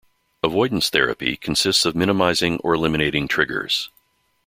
Avoidance therapy consists of minimizing or eliminating triggers.